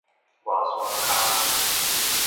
外山跤